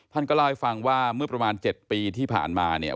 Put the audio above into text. ท่านก็เล่าให้ฟังว่าเมื่อประมาณ๗ปีที่ผ่านมาเนี่ย